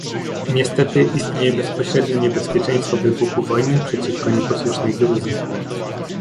Niestety istnieje bezpośrednie niebezpieczeństwo wybuchu wojny przeciwko nieposłusznej Gruzji